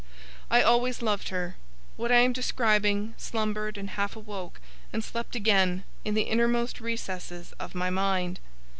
I always loved her. What I am describing, slumbered, and half awoke, and slept again, in the innermost recesses of my mind.